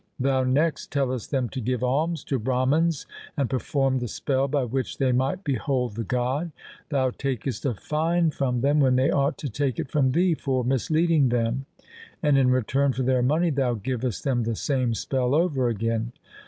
Thou next tellest them to give alms to Brahmans and perform the spell by which they might behold the god. Thou takest a fine from them when they ought to take it from thee for misleading them, and in return for their money thou givest them the same spell over again.